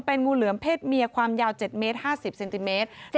เป็นงูเหลือมเพศเมียความยาว๗เมตร๕๐เซนติเมตร